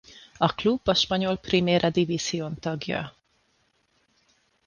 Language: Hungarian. A klub a spanyol Primera División tagja.